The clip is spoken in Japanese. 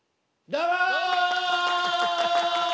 どうも！